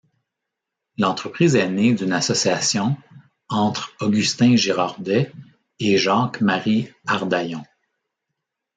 L'entreprise est née d'une association entre Augustin Girardet et Jacques-Marie Ardaillon.